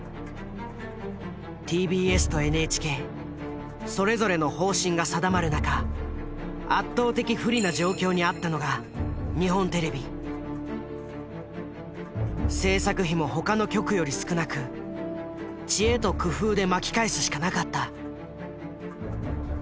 ＴＢＳとＮＨＫそれぞれの方針が定まる中圧倒的不利な状況にあったのが制作費も他の局より少なく知恵と工夫で巻き返すしかなかった。